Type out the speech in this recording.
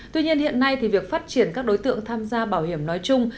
tuy nhiên hiện nay việc phát triển các đối tượng tham gia bảo hiểm nói chung